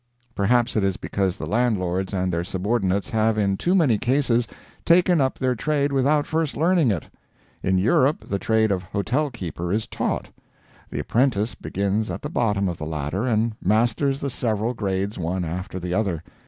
Perhaps it is because the landlords and their subordinates have in too many cases taken up their trade without first learning it. In Europe the trade of hotel keeper is taught. The apprentice begins at the bottom of the ladder and masters the several grades one after the other.